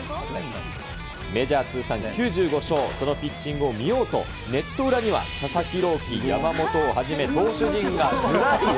メジャー通算９５勝、そのピッチングを見ようと、ネット裏には佐々木朗希、山本をはじめ、投手陣がずらり。